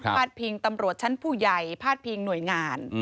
ดพิงตำรวจชั้นผู้ใหญ่พาดพิงหน่วยงาน